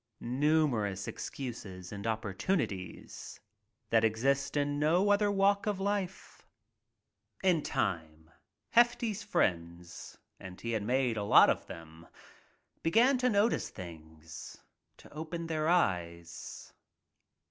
Numerous excuses and opportunities that exist in no other walk of life. In time Hefty's friends — and he had made a lot of — began to notice things^to open their eyes.